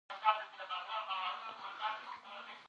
راوستل شو کوم